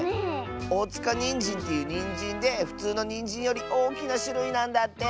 おおつかにんじんっていうにんじんでふつうのにんじんよりおおきなしゅるいなんだって！